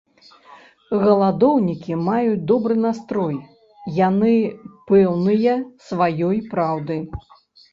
Галадоўнікі маюць добры настрой, яны пэўныя сваёй праўды.